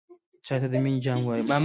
چای ته د مینې جام وایم.